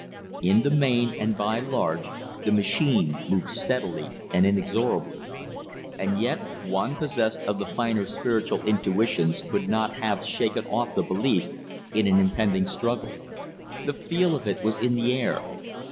In the main, and by large, the machine moved steadily and inexorably. And yet one possessed of the finer spiritual intuitions could not have shaken off the belief in an impending struggle. The feel of it was in the air.